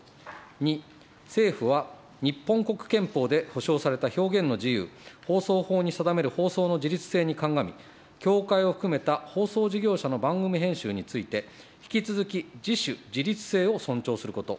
２、政府は、日本国憲法で保障された表現の自由、放送法に定める放送の自立性に鑑み、協会を含めた放送事業者の番組編集について、引き続き自主、自律性を尊重すること。